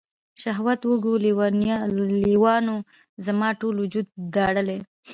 د شهوت وږو لیوانو، زما ټول وجود داړلي